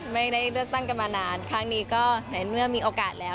ไม่ได้เลือกตั้งกันมานานครั้งนี้ก็ในเมื่อมีโอกาสแล้ว